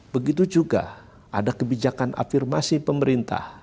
begitu juga ada kebijakan afirmasi pemerintah